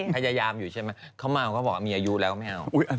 พยายามอยู่ใช่ไหมเขาเมาเขาบอกว่ามีอายุแล้วไม่เอา